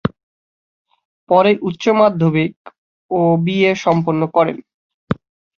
পরে উচ্চ মাধ্যমিক ও বিএ সম্পন্ন করেন।